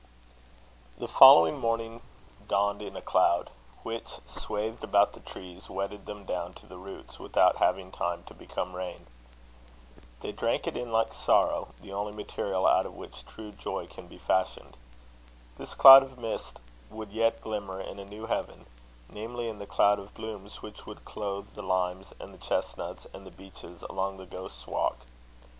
The following morning dawned in a cloud; which, swathed about the trees, wetted them down to the roots, without having time to become rain. They drank it in like sorrow, the only material out of which true joy can be fashioned. This cloud of mist would yet glimmer in a new heaven, namely, in the cloud of blooms which would clothe the limes and the chestnuts and the beeches along the ghost's walk.